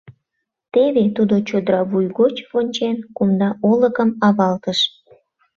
Теве тудо чодра вуй гоч вончен, кумда олыкым авалтыш.